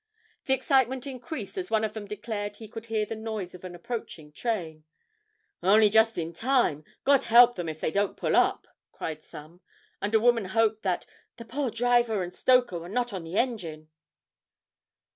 The excitement increased as one of them declared he could hear the noise of an approaching train. 'Only just in time God help them if they don't pull up!' cried some, and a woman hoped that 'the poor driver and stoker were not on the engine.'